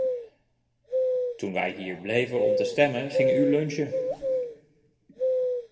Toen wij hier bleven om te stemmen, ging u lunchen.